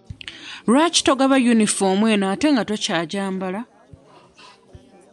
Lwaki togaba yunifoomu eno ate nga tokyagyambala?